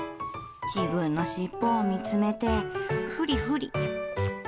自分の尻尾を見つめて、ふりふり。